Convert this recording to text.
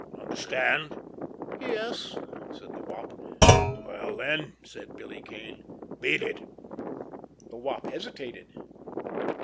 Understand?" "Yes," said the Wop. "Well, then," said Billy Kane, "beat it!" The Wop hesitated.